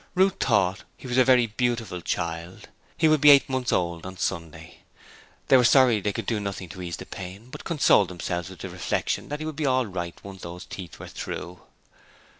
Ruth thought he was a very beautiful child: he would be eight months old on Sunday. They were sorry they could do nothing to ease his pain, but consoled themselves with the reflection that he would be all right once those teeth were through.